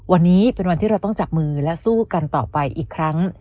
วันนี้เป็นวันที่เราต้องจับมือและสู้กันต่อไปอีกครั้ง